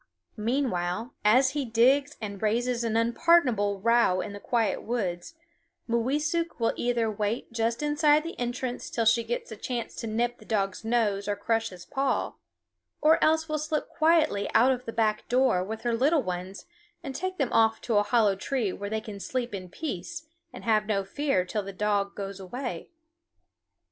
Meanwhile, as he digs and raises an unpardonable row in the quiet woods, Mooweesuk will either wait just inside the entrance till she gets a chance to nip the dog's nose or crush his paw, or else will slip quietly out of the back door with her little ones and take them off to a hollow tree where they can sleep in peace and have no fear till the dog goes away.